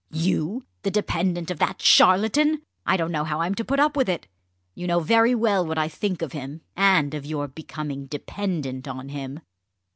"You the dependent of that charlatan! I don't know how I'm to put up with it. You know very well what I think of him, and of your becoming dependent on him."